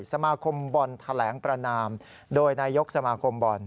สมาคมบอลแถลงประนามโดยนายกสมาคมบอล